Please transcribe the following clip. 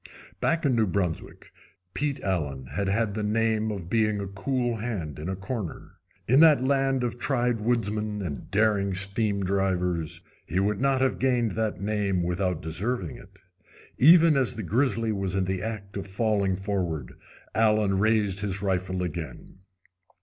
Back in New Brunswick Pete Allen had had the name of being a cool hand in a corner. In that land of tried woodsmen and daring stream drivers he would not have gained that name without deserving it. Even as the grizzly was in the act of falling forward Allen raised his rifle again.